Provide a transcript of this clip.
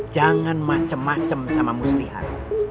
jangan macem macem sama muslihat